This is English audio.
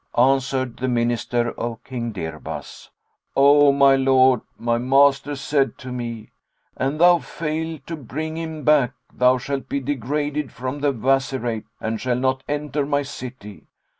Answered the Minister of King Dirbas, "O my lord, my master said to me, 'An thou fail to bring him back, thou shalt be degraded from the Wazirate and shall not enter my city.